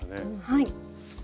はい。